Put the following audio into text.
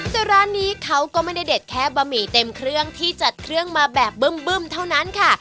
แต่ร้านนี้เขาก็ไม่ได้เด็ดแค่บะหมี่เต็มเครื่องที่จัดเครื่องมาแบบบึ้มเท่านั้นค่ะ